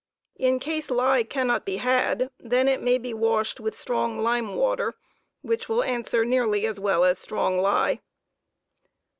In case lye cannot be had, then it may be washed with strong lime water, which will answer nearly as well as strong lye.